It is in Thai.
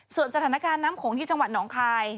ส่วนสถานการณ์น้ำโขงที่จังหวัดหนองคาย